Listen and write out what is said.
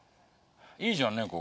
いいじゃんね